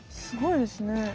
すごいですね。